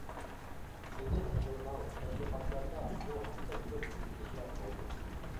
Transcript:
گېزىت-ژۇرنال، تەشۋىقاتلاردا بۇ ھەقتە كۆپ ئىزدىنىشلەر بولدى.